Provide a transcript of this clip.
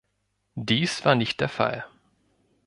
Dies war nicht der Fall.